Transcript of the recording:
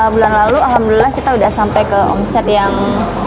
bulan lalu alhamdulillah kita sudah sampai ke omset yang